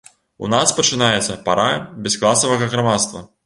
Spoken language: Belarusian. У нас пачынаецца пара бяскласавага грамадства.